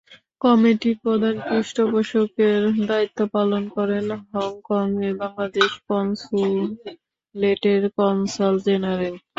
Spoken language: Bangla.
কমিটির প্রধান পৃষ্ঠপোষকের দায়িত্ব পালন করেন হংকংয়ে বাংলাদেশ কনস্যুলেটের কনসাল জেনারেল।